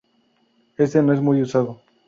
Este no es muy usado.